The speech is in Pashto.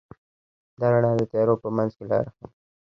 دا رڼا د تیارو په منځ کې لاره ښيي.